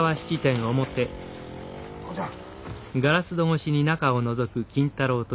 父ちゃん。